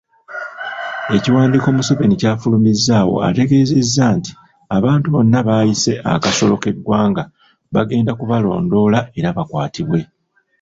Ekiwandiiko Museveni ky’afulumizzaawo, ategeezezza nti abantu bano baayise "akasolo ke ggwanga" bagenda kubalondoola era bakwatibwe.